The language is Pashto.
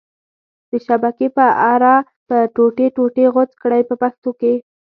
د شبکې په اره یې ټوټې ټوټې غوڅ کړئ په پښتو کې.